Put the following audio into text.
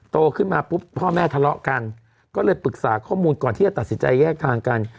โตขึ้นมาปุ๊บพ่อแม่ทะเลาะกันก็เลยปรึกษาข้อมูลก่อนที่จะตัดสินใจแยกทางกัน